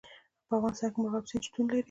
په افغانستان کې د مورغاب سیند شتون لري.